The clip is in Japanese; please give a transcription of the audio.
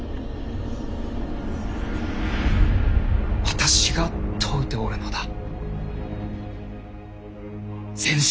私が問うておるのだ善信！